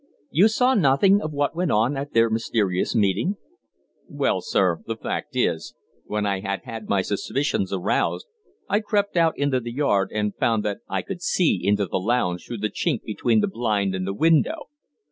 "You saw nothing of what went on at their mysterious meeting?" "Well, sir, the fact is, when I had had my suspicions aroused, I crept out into the yard, and found that I could see into the lounge through the chink between the blind and the window.